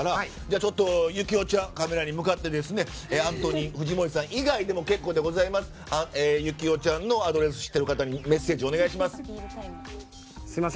ちょっと行雄ちゃんカメラに向かってアントニー、藤森さん以外でも結構でございますので行雄ちゃんのアドレスを知ってる方にメッセージお願いします。